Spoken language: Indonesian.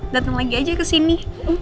datang lagi aja kesini